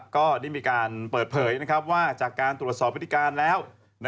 ก็ได้มีการเปิดเผยว่าจากการตรวจสอบพฤติการแล้ว